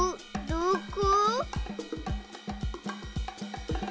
どこ！